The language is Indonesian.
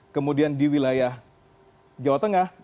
kemudian di wilayah jawa tengah